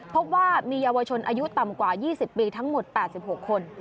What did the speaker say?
พบว่ามีเยาวชนอายุต่ำกว่า๒๐ปีทั้งหมด๘๖คน